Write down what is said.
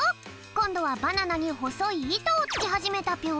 こんどはバナナにほそいいとをつけはじめたぴょん。